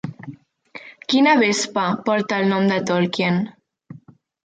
Quina vespa porta el nom de Tolkien?